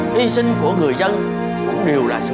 mình rất là đau